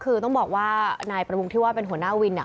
คือต้องบอกว่านายประวงที่ว่าเป็นหัวหน้าวิน